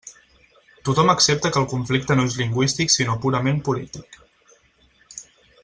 Tothom accepta que el conflicte no és lingüístic sinó purament polític.